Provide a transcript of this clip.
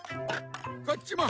こっちも。